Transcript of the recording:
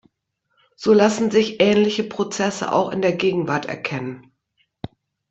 So lassen sich ähnliche Prozesse auch in der Gegenwart erkennen.